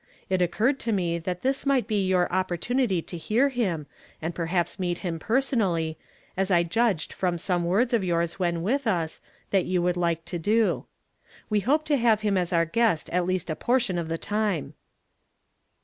It occurred to me that this might be your opportunity to hear him, and perhaps meet him personally, as I judged, from some words of yours when with us, that you would like to do. We hope to have him as our guest at least a portion of the time."